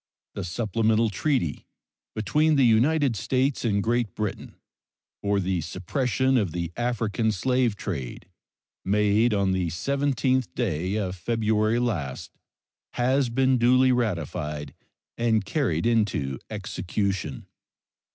The supplemental treaty between the United States and Great Britain for the suppression of the African slave trade, made on the 17th day of February last, has been duly ratified and carried into execution.